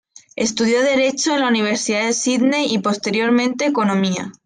Estudió Derecho en la Universidad de Sídney y posteriormente Economía.